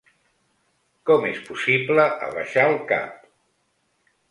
Com és possible abaixar el cap?